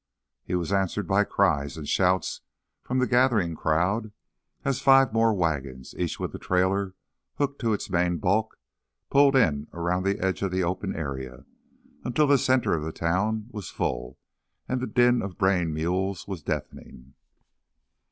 He was answered by cries and shouts from the gathering crowd as five more wagons, each with a trailer hooked to its main bulk, pulled in around the edge of the open area, until the center of the town was full and the din of braying mules was deafening.